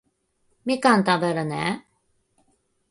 みかん食べるね